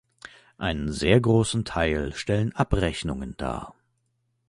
Einen sehr großen Teil stellen Abrechnungen dar.